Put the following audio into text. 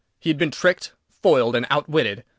He had been tricked, foiled, and out witted!